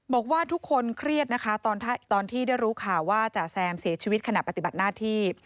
บอกว่าทุกคนเครียดนะคะตอนที่ได้รู้ข่าวว่าจ๋าแซมเสียชีวิตขณะปฏิบัติหน้าที่